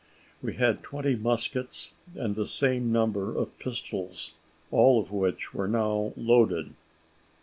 We had twenty muskets, and the same number of pistols, all of which were now loaded.